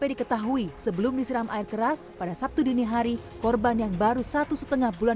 diketahui sebelum disiram air keras pada sabtu dini hari korban yang baru satu setengah bulan